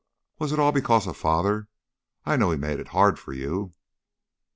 Was it all because of Father? I know he made it hard for you."